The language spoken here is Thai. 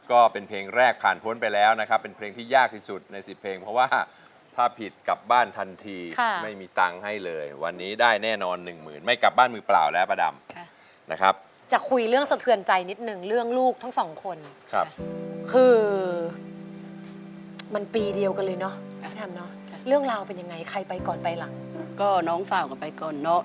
ก็เป็นเพลงแรกผ่านพ้นไปแล้วนะครับเป็นเพลงที่ยากที่สุดในสิบเพลงเพราะว่าถ้าผิดกลับบ้านทันทีไม่มีตังค์ให้เลยวันนี้ได้แน่นอนหนึ่งหมื่นไม่กลับบ้านมือเปล่าแล้วป้าดำนะครับจะคุยเรื่องสะเทือนใจนิดนึงเรื่องลูกทั้งสองคนครับคือมันปีเดียวกันเลยเนาะเรื่องราวเป็นยังไงใครไปก่อนไปหลังก็น้องฝากกันไปก่อนเนอะ